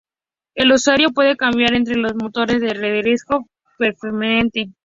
El usuario puede cambiar entre los motores de renderizado perfectamente.